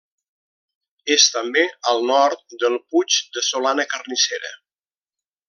És també al nord del Puig de Solana Carnissera.